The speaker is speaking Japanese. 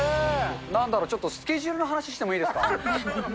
なんだろう、ちょっとスケジュールの話してもいいですか。